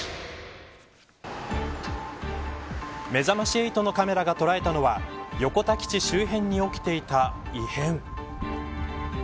めざまし８のカメラが捉えたのは横田基地周辺に起きていた異変。